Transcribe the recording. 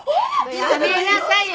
やめなさいよ！